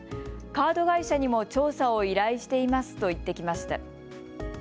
カード会社にも調査を依頼していますと言ってきました。